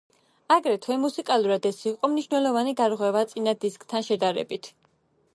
აგრეთვე, მუსიკალურად ეს იყო მნიშვნელოვანი გარღვევა წინა დისკთან შედარებით.